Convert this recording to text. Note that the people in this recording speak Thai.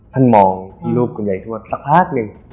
ท่านมองรูปของคนใหญ่ศพสักพักนึง